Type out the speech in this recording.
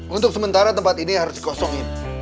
untuk sementara tempat ini harus dikosongin